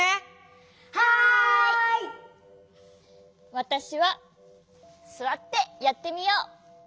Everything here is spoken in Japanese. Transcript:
わたしはすわってやってみよう。